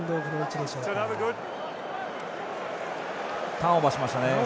ターンオーバーしましたね。